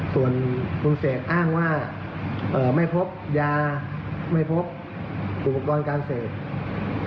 ส่วนคุณเศษอ้างว่าไม่พบยาไม่พบกุมปร้อนการเศษ